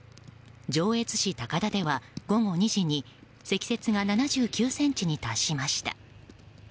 上越市高田では、午後２時に積雪が７９ｃｍに達しました。